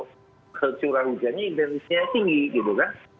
kalau curah hujannya intensnya tinggi gitu kan